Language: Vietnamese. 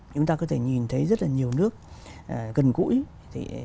chúng ta có thể nhìn thấy rất là nhiều nước gần gũi